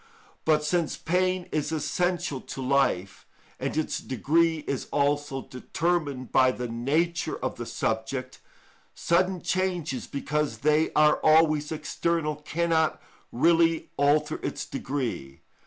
But since pain is essential to life, and its degree is also determined by the nature of the subject, sudden changes, because they are always external, cannot really alter its degree.